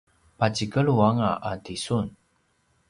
pacikelu anga a tisun